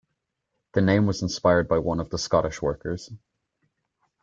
The name was inspired by one of the Scottish workers.